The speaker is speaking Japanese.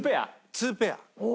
２ペア。